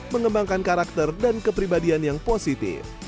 mengembangkan karakter dan kepribadian yang positif